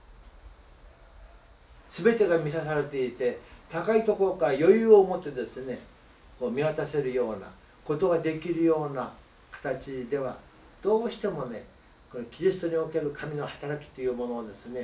全てが満たされていて高いところから余裕を持って見渡せるようなことができるような形ではどうしてもねキリストにおける神の働きっていうものをですね